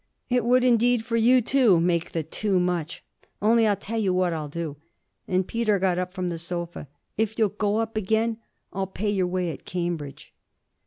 It would indeed for you too make the too much. Only I'll tell you what I'll do.' And Peter got up from the sofa. 'If you'll go up again I'll pay your way at Cambridge.'